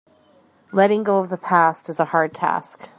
Letting go of the past is a hard task.